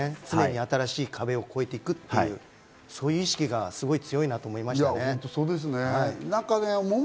常に新しい壁を越えていくっていう、そういう意識が強いなと思いました。